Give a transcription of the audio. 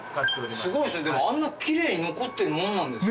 すごいですねあんな奇麗に残ってるもんなんですか。